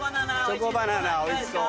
チョコバナナおいしそう。